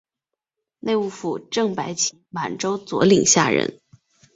内务府正白旗满洲佐领下人。